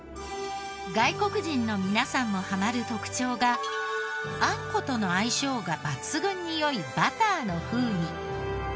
外国人の皆さんもハマる特徴があんことの相性が抜群に良いバターの風味。